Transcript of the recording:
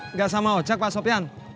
nggak sama ojak pak sopyan